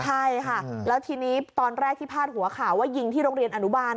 ใช่ค่ะแล้วทีนี้ตอนแรกที่พาดหัวข่าวว่ายิงที่โรงเรียนอนุบาล